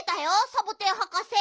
サボテンはかせ。